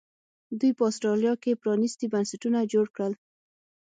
دوی په اسټرالیا کې پرانیستي بنسټونه جوړ کړل.